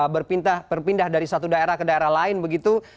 berpindah dari satu daerah ke daerah lain begitu